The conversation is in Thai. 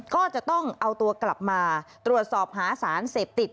ก็จะต้องเอาตัวกลับมาตรวจสอบหาสารเสพติด